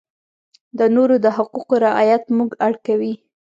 د نورو د حقوقو رعایت موږ اړ کوي.